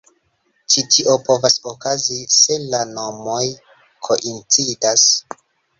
Ĉi tio povas okazi se la nomoj koincidas.